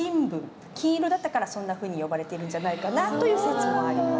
金色だったからそんなふうに呼ばれているんじゃないかなという説もあります。